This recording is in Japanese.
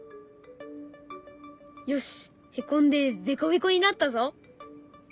よしへこんでベコベコになったぞ。